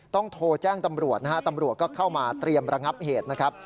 โทรแจ้งตำรวจนะฮะตำรวจก็เข้ามาเตรียมระงับเหตุนะครับ